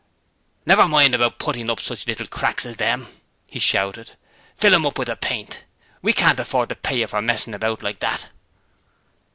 'Never mind about puttying up such little cracks as them!' he shouted. 'Fill 'em up with the paint. We can't afford to pay you for messing about like that!'